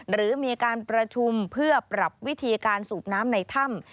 หรือมีการประชุมเพื่อปรับวิธีการสูบน้ำในถ้ำ